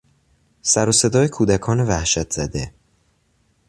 سر و صدای کودکان وحشت زده